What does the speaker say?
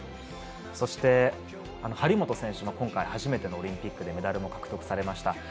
そして、張本選手も今回初めてのオリンピックでメダルも獲得されました。